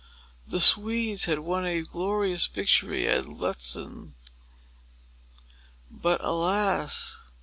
The Swedes had won a glorious victory at Lutzen. But alas!